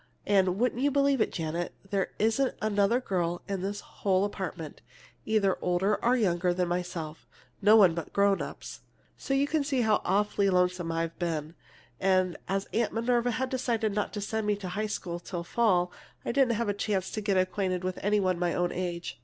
And would you believe it, Janet, there isn't another girl in this whole apartment, either older or younger than myself! No one but grown ups. "So you can see how awfully lonesome I've been. And as Aunt Minerva had decided not to send me to high school till fall, I didn't have a chance to get acquainted with any one of my own age.